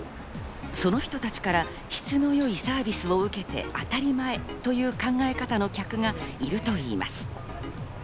その人たちから質の良いサービスを受けて当たり前という考え方の客がいるといいます。